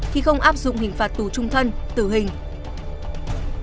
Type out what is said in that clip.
khi không áp dụng hình phạt tù trung thân tử hình